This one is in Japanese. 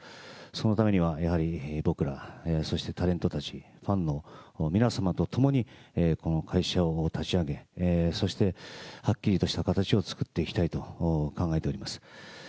そのためには、やはり僕ら、そしてタレントたち、ファンの皆様とともにこの会社を立ち上げ、そしてはっきりとした形を作っていきたいと考えております。